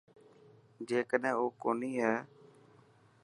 جيڪڏهن او ڪوني هي.